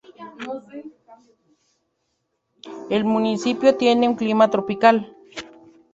El municipio tiene un clima tropical.